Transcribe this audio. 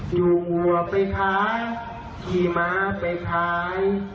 อยู่หัวไปค้าขี่ม้าไปขาย